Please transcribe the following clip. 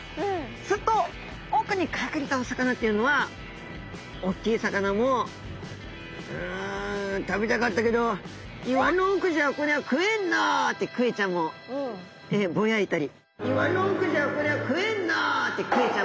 すると奥に隠れたお魚っていうのはおっきい魚も「うん食べたかったけど岩の奥じゃこりゃ食えんな」ってクエちゃんもぼやいたり。